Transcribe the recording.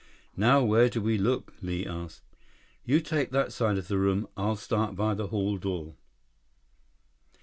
"Now where do we look?" Li asked. "You take that side of the room. I'll start by the hall door."